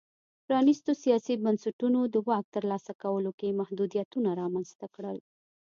پرانیستو سیاسي بنسټونو د واک ترلاسه کولو کې محدودیتونه رامنځته کړل.